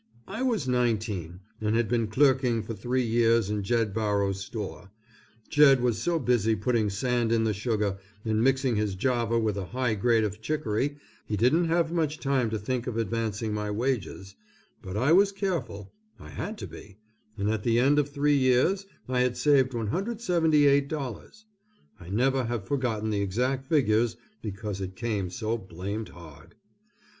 I was nineteen, and had been clerking for three years in Jed Barrow's store. Jed was so busy putting sand in the sugar, and mixing his Java with a high grade of chicory, he didn't have much time to think of advancing my wages, but I was careful, I had to be, and at the end of three years I had saved $178. I never have forgotten the exact figures, because it came so blamed hard.